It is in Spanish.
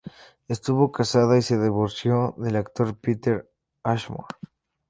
Estuvo casada y se divorció del actor Peter Ashmore.